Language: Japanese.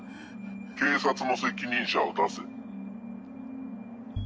警察の責任者を出せ。